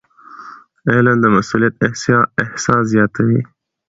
علم د مسؤلیت احساس زیاتوي.